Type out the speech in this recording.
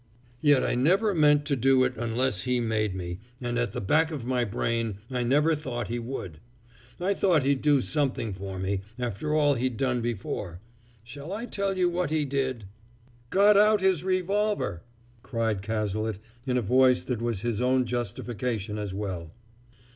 "Yet I never meant to do it unless he made me, and at the back of my brain I never thought he would. I thought he'd do something for me, after all he'd done before! Shall I tell you what he did?" "Got out his revolver!" cried Cazalet in a voice that was his own justification as well.